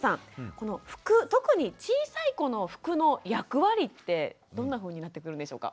この服特に小さい子の服の役割ってどんなふうになってくるんでしょうか。